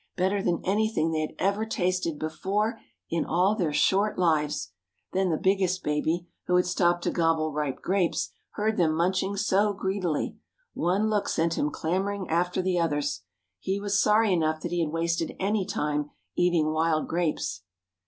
Better than anything they had ever tasted before in all their short lives! Then the biggest baby, who had stopped to gobble ripe grapes, heard them munching so greedily. One look sent him clambering after the others. He was sorry enough that he had wasted any time eating wild grapes.